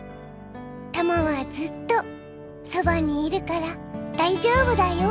たまはずっとそばにいるから大丈夫だよ。